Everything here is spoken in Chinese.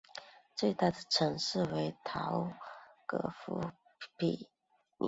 最大城市为陶格夫匹尔斯。